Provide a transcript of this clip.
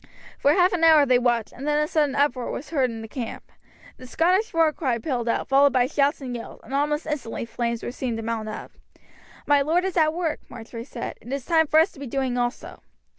For half an hour they watched, and then a sudden uproar was heard in the camp. The Scottish war cry pealed out, followed by shouts and yells, and almost instantly flames were seen to mount up. "My lord is at work," Marjory said, "it is time for us to be doing also."